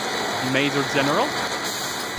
Major General.